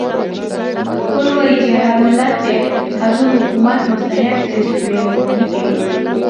هګل وایي چې هر ملت د هغه حکومت مستحق دی چې پرې واکمني کوي.